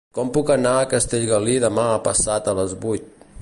Com puc anar a Castellgalí demà passat a les vuit?